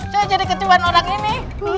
saya jadi kecewaan orang ini